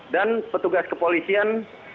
dan petugas kepolisian